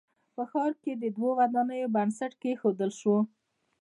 په ښار کښې د دوو ودانیو بنسټ کېښودل شو